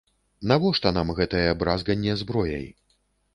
Навошта нам гэтае бразганне зброяй?